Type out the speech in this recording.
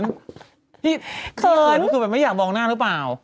นี่คือแบบไม่อยากมองหน้าหรือเปล่า